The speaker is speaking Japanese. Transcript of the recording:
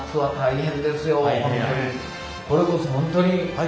これこそ本当に。